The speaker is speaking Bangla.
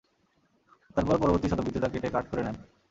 তারপর পরবর্তী শতাব্দীতে তা কেটে কাঠ করে নেন।